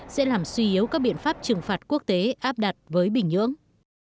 sẽ làm suy yếu các biện pháp trừng phạt quốc tế áp đặt với bình nhưỡng